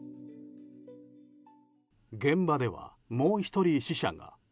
現場ではもう１人、死者が。